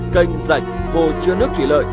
canh rạch hồ chứa nước thủy lợi